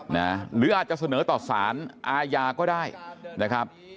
หรืออาจจะเสนอต่อสารอาญาก็ได้นะครับ